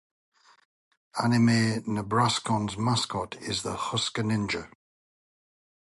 Anime NebrasKon's mascot is the Husker Ninja.